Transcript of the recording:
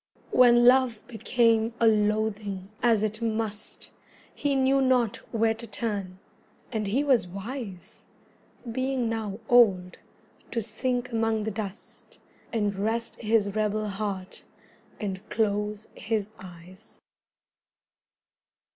When love became a loathing, as it must, He knew not where to turn; and he was wise, Being now old, to sink among the dust, And rest his rebel heart, and close his eyes.